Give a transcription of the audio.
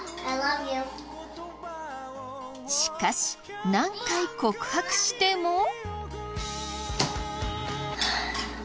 しかし何回告白しても。